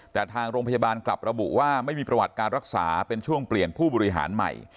แต่ทางโรงพยาบาลกลับระบุว่าไม่มีประวัติการรักษาเป็นช่วงเปลี่ยนผู้บริหารใหม่